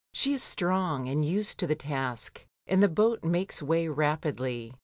She is strong and used to the task, and the boat makes way rapidly.